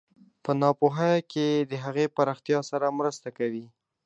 په ناپوهۍ کې د هغې پراختیا سره مرسته کوي.